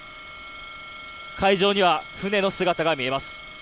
海上には船の姿が見えます。